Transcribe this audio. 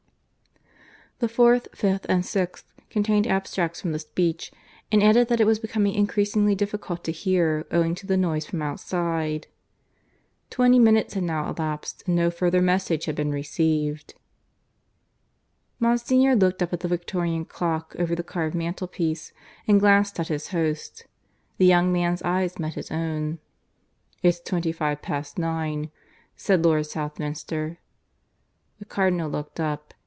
The fourth, fifth, and sixth contained abstracts from the speech, and added that it was becoming increasingly difficult to hear, owing to the noise from outside. Twenty minutes had now elapsed and no further message had been received. Monsignor looked up at the Victorian clock over the carved mantelpiece and glanced at his host. The young man's eyes met his own. "It's twenty five past nine," said Lord Southminster. The Cardinal looked up.